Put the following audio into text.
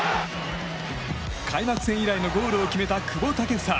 開幕戦以来のゴールを決めた久保建英。